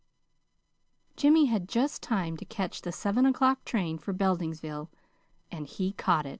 Jimmy had just time to catch the seven o'clock train for Beldingsville and he caught it.